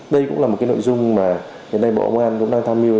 đây cũng là một cái nội dung mà hiện nay bộ công an cũng đang tham mưu